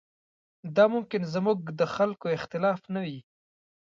دا ممکن زموږ د خلکو اختلاف نه وي.